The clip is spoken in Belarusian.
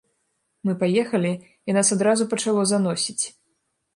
Мы паехалі, і нас адразу пачало заносіць.